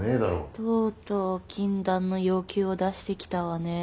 とうとう禁断の要求を出してきたわね。